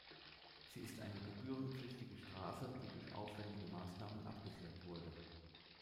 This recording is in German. Sie ist eine gebührenpflichtige Straße, die durch aufwändige Maßnahmen abgesichert wurde.